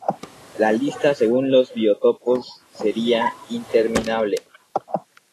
La lista según los biotopos sería interminable.